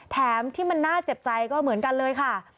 แถมที่มันน่าเจ็บใจก็เหมือนกันเลยค่ะ